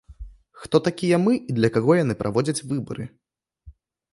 Хто такія мы, і для каго яны праводзяць выбары?